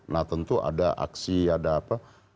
nah tentu ada aksi ada apa